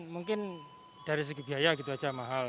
mungkin dari segi biaya itu saja mahal